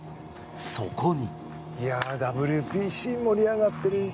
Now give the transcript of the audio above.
そこに。